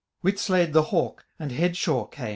Whitslade the Hawk, and Headshaw came.